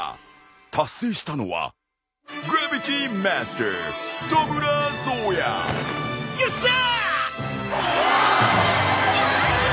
達成したのはグラビティマスタートムラ颯也！よっしゃ！